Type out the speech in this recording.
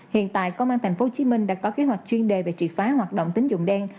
hiện tại công an tp hcm đã có kế hoạch chuyên đề về trị phá hoạt động tính dụng đen